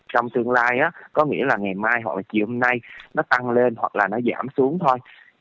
trong tương lai có nghĩa là ngày mai hoặc chiều hôm nay nó tăng lên hoặc là nó giảm xuống thôi